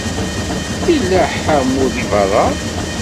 Yella ḥamu deg beṛṛa?